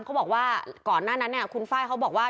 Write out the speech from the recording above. เขาบอกว่าก่อนหน้านั้นเนี่ยคุณไฟล์เขาบอกว่า